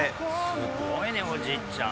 すごいねおじいちゃん！